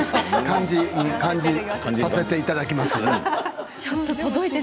感じさせていただきます。